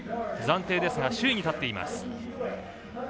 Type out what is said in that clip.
暫定ですが首位に立っています。